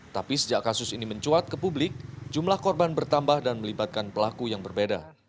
tapi sejak kasus ini mencuat ke publik jumlah korban bertambah dan melibatkan pelaku yang berbeda